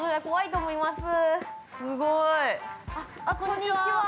◆こんにちは。